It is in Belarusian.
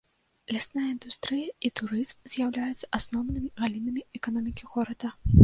Лясная індустрыя і турызм з'яўляюцца асноўнымі галінамі эканомікі горада.